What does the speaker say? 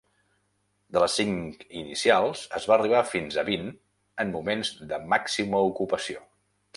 De les cinc inicials es va arribar fins a vint en moments de màxima ocupació.